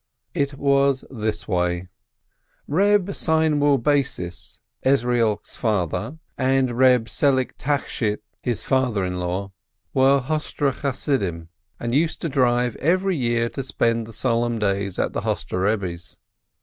It was this way : Eeb SeinwiH Bassis, Ezrielk's father, and Eeb Selig Tachshit, his father in law, were Hostre Chassidim, and used to drive every year to spend the Solemn Days at the Hostre Eebbe's.